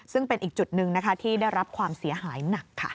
ซึ่งเป็นอีกจุดหนึ่งนะคะที่ได้รับความเสียหายหนักค่ะ